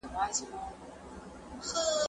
مار ژوندی ورڅخه ولاړی گړندی سو